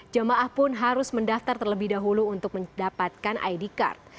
jamaah pun harus mendaftar terlebih dahulu untuk mendapatkan id card